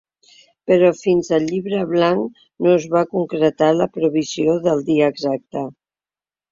Però fins al llibre blanc no es va concretar la previsió del dia exacte.